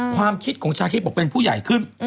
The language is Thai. ความคิดของชาคริสบอกเป็นผู้ใหญ่ขึ้น